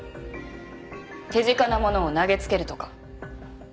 手近なものを投げつけるとか。